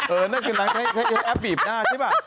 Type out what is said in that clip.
นั่นคือนางให้แอปบีบหน้าใช่ป่ะ